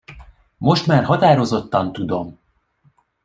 Most már határozottan tudom!